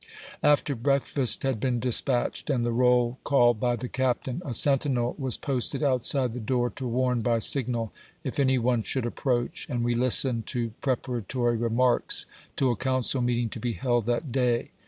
After breakfast had been despatched, and the roll called by the Captain, a sentinel was posted outside the door, to warn by signal if any one should approach, and we listened to pre paratory remarks to a council meeting to be held that day.